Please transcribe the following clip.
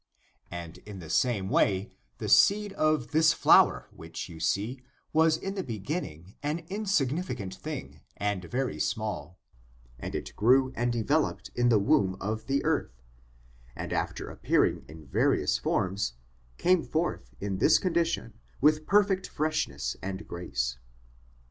And in the same way, the seed of this flower which you see was in the beginning an insignificant thing, and very small ; and it grew and developed in the womb of the earth, and after appearing in various forms, came forth in this condition with perfect freshness and grace.